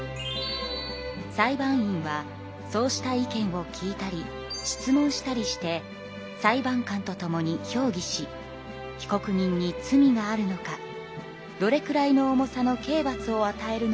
裁判員はそうした意見を聞いたり質問したりして裁判官と共に評議し被告人に罪があるのかどれくらいの重さの刑罰をあたえるのがよいのか話し合い